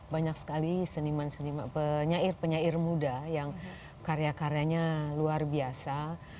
banyak sekali penyair muda yang karya karyanya luar biasa